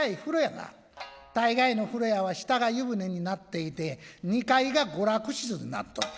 大概の風呂屋は下が湯船になっていて二階が娯楽室になっとる。